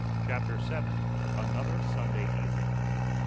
CHAPTER VII. ANOTHER SUNDAY EVENING.